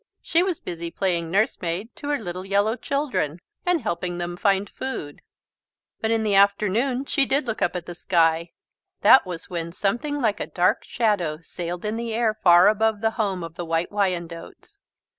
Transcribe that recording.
She was busy playing nurse maid to her little yellow children and helping them find food. But in the afternoon she did look up at the sky. That was when something like a dark shadow sailed in the air far above the home of the White Wyandottes.